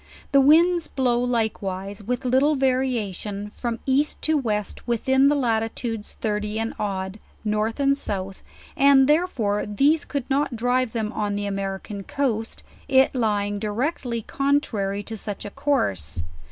The winds blow likewise, with little va riation, from east to west with in the latitudes thirty and odd, north and south; and therefore these could not drive them on the American coast,, it lying directly contrary to such a course.